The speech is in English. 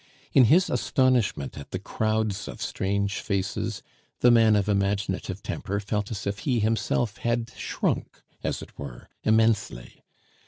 In his astonishment at the crowds of strange faces, the man of imaginative temper felt as if he himself had shrunk, as it were, immensely.